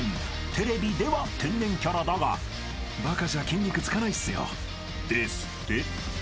［テレビでは天然キャラだが「バカじゃ筋肉つかないっすよ」ですって］